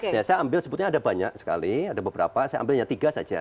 saya ambil sebutnya ada banyak sekali ada beberapa saya ambilnya tiga saja